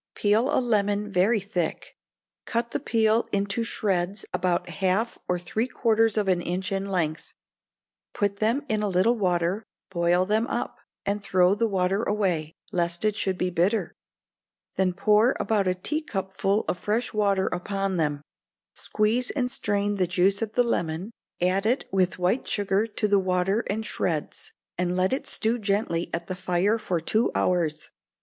Peel a lemon very thick, cut the peel into shreds about half or three quarters of an inch in length, put them into a little water, boil them up, and throw the water away, lest it should be bitter, then pour about a teacupful of fresh water upon them; squeeze and strain the juice of the lemon, add it with white sugar to the water and shreds, and let it stew gently at the fire for two hours.